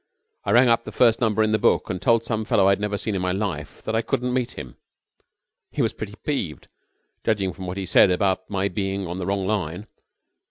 Rang up the first number in the book and told some fellow I had never seen in my life that I couldn't meet him! He was pretty peeved, judging from what he said about my being on the wrong line.